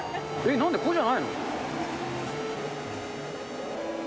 なんで、ここじゃないの？